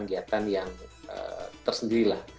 kegiatan yang tersendiri lah